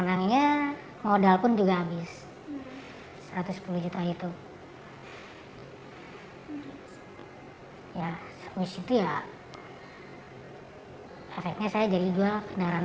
dalam satu bulan saya menang